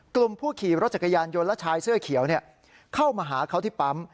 กลุ่มผู้ขี่รถจักรยานยนต์และชายเสื้อเขียวเข้ามาหาเขาที่ปั๊ม